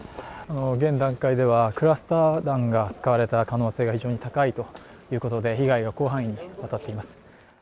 現段階ではクラスター弾が使われた可能性が非常に高いということで被害が広範囲にわたっています。